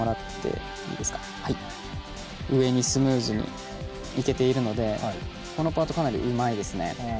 上にスムーズにいけているのでこのパート、かなりうまいですね。